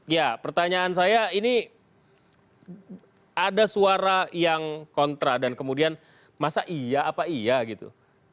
ya pertanyaan saya ini ada suara yang kontra dan kemudian masa iya apa iya gitu